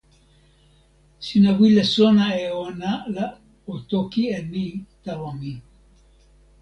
sina wile sona e ona la o toki e ni tawa mi.